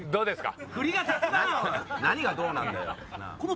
何が「どう」なんだよ。